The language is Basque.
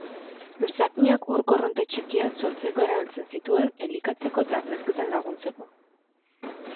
Luzakinak ur-korronte txikiak sortzeko erabiltzen zituen elikatzeko eta arnasketan laguntzeko.